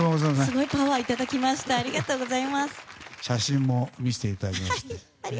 写真も見せていただきました。